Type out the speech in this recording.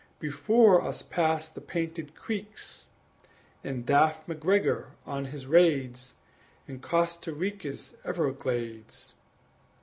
Before us passed the painted Creeks, And daft McGregor on his raids In Costa Rica's everglades.